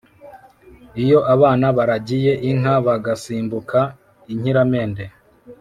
Iyo abana baragiye inka, Bagasimbuka inkiramende,